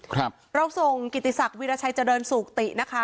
ครับเราส่งกิติศักดิราชัยเจริญสุขตินะคะ